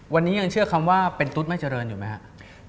วันนี้ยังเชื่อคำว่าเป็นตุ๊ดไม่เจริญอยู่ไหมครับ